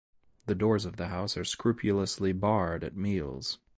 The doors of the house are scrupulously barred at meals.